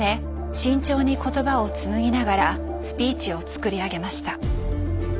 慎重に言葉を紡ぎながらスピーチをつくり上げました。